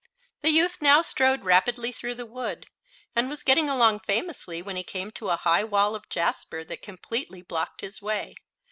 The youth now strode rapidly through the wood, and was getting along famously when he came to a high wall of jasper that completely blocked his way.